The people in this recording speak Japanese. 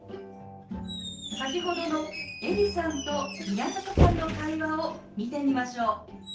先ほどのエリさんと宮坂さんの会話を見てみましょう。